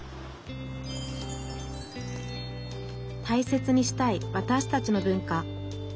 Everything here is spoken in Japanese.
大切にしたいわたしたちの文化。